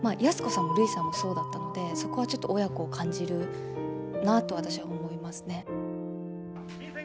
安子さんもるいさんもそうだったのでそこはちょっと親子を感じるなと私は思いますね。